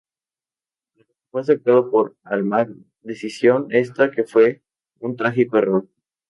Lo que fue aceptado por Almagro, decisión esta que fue un trágico error.